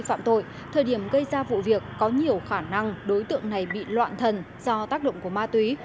phạm tội thời điểm gây ra vụ việc có nhiều khả năng đối tượng này bị loạn thần do tác động của ma túy